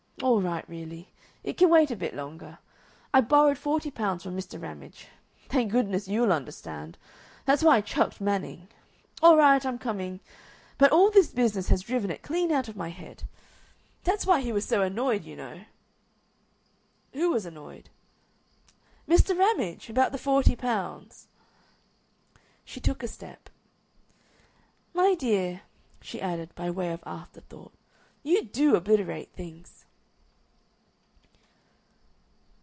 All right really. It can wait a bit longer. I borrowed forty pounds from Mr. Ramage. Thank goodness you'll understand. That's why I chucked Manning.... All right, I'm coming. But all this business has driven it clean out of my head.... That's why he was so annoyed, you know." "Who was annoyed?" "Mr. Ramage about the forty pounds." She took a step. "My dear," she added, by way of afterthought, "you DO obliterate things!"